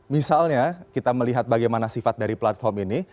misalnya kita melihat bagaimana sifat dari platform ini